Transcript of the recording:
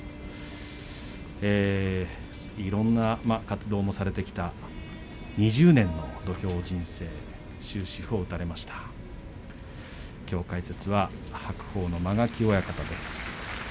いろんな活動をされてきて２０年の土俵人生終止符を打たれましたきょう解説は白鵬の間垣親方です。